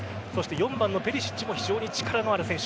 ４番のペリシッチも非常に力のある選手。